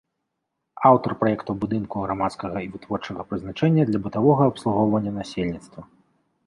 Аўтар праектаў будынкаў грамадскага і вытворчага прызначэння для бытавога абслугоўвання насельніцтва.